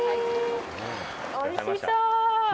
おいしそう。